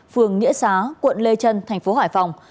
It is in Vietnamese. phường nghĩa xá quận lê trân thành phố hải phòng